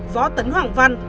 võ tấn hoàng văn